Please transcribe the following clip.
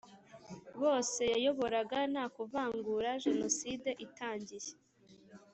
bose yayoboraga nta kuvangura Jenoside itangiye